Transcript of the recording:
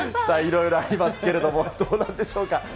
さあいろいろありますけれども、どうなんでしょうか。